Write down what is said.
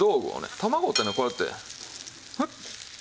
卵ってねこうやってふっと！